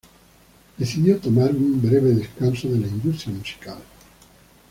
Decidió tomar un breve descanso de la industria musical.